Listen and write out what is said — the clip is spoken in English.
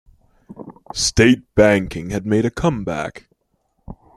State banking had made a comeback.